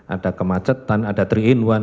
ada kemacetan ada tiga in satu